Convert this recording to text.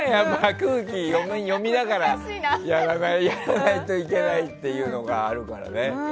空気を読みながらやらないといけないっていうのがあるからね。